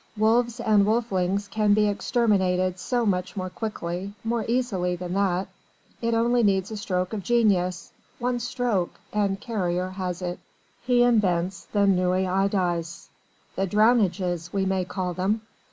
Wolves and wolflings can be exterminated so much more quickly, more easily than that. It only needs a stroke of genius, one stroke, and Carrier has it. He invents the Noyades! The Drownages we may call them!